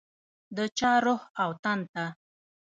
د چا روح او تن ته